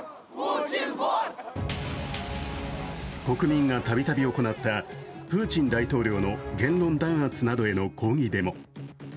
国民がたびたび行ったプーチン大統領の言論弾圧などへの抗議デモ。